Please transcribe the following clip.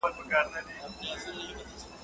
مڼې د کرنې مشهور مېوه ده.